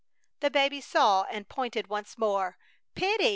The baby saw and pointed once again. "Pitty!